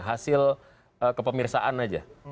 hasil kepemirsaan aja